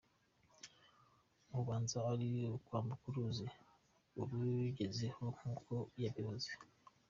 Ubanza ari ukwambuka uruzi arugezeho nk’uko yabivuze.